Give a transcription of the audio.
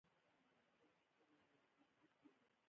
د افغانستان په منظره کې کلتور ښکاره ده.